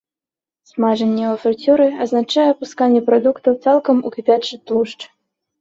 Смажанне ў фрыцюры азначае апусканне прадукту цалкам у кіпячы тлушч.